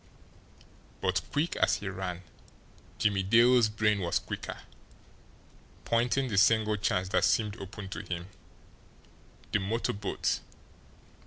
But quick as he ran, Jimmie Dale's brain was quicker, pointing the single chance that seemed open to him. The motor boat!